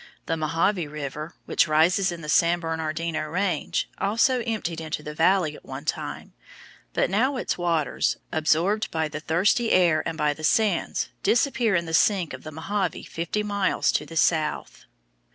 The Mohave River, which rises in the San Bernardino Range, also emptied into the valley at one time, but now its waters, absorbed by the thirsty air and by the sands, disappear in the sink of the Mohave fifty miles to the south.